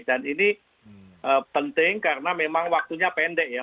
dan ini penting karena memang waktunya pendek ya